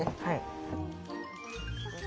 はい。